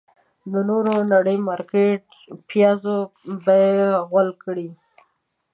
د نورې نړۍ مارکيټ د پيازو بيې غول کړې.